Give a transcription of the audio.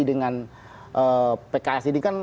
dengan pks ini kan